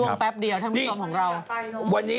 ช่วงแป๊บเดียวทั้งพี่ความของเราวันนี้